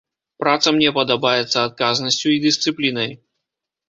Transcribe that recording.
Праца мне падабаецца адказнасцю і дысцыплінай.